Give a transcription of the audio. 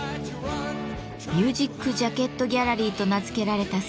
「ミュージックジャケットギャラリー」と名付けられたスペースです。